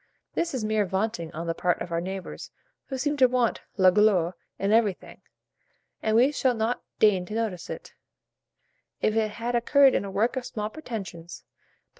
This is mere vaunting on the part of our neighbours, who seem to want la gloire in everything; and we should not deign to notice it, if it had occurred in a work of small pretensions; but M.